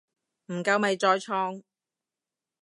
唔夠咪再創